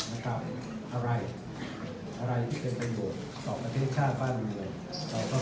อะไรที่เป็นประโยชน์ต่อประเทศชาติบ้านมือเราก็ต้องมีเศรษฐ์ครับ